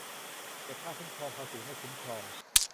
เก็บค่าคุ้มครองภาษี ไม่คุ้มครอง